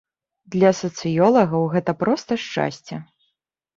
Для сацыёлагаў гэта проста шчасце.